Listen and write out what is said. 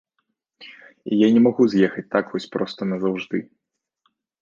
І я не магу з'ехаць так вось проста назаўжды.